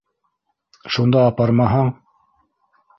Шунда апармаһаң...